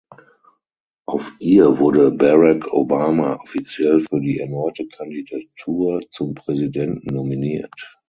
Auf ihr wurde Barack Obama offiziell für die erneute Kandidatur zum Präsidenten nominiert.